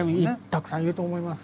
たくさんいると思います。